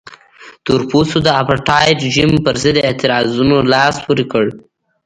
تور پوستو د اپارټایډ رژیم پرضد اعتراضونو لاس پورې کړ.